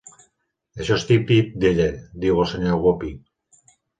"Això és típic d'ella", diu el senyor Guppy.